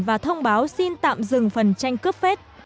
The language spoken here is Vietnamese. và thông báo xin tạm dừng phần tranh cướp phế